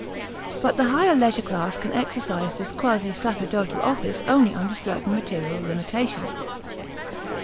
But the higher leisure class can exercise this quasi sacerdotal office only under certain material limitations.